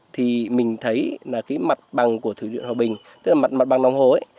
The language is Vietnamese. thì mình thấy là cái mặt bằng của thủy điện hòa bình tức là mặt bằng đồng hồ ấy